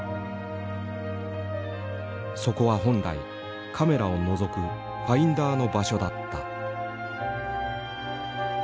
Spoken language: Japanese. そこは本来カメラをのぞくファインダーの場所だった。